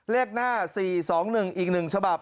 เลขหน้า๔๒๑อีก๑ฉบับ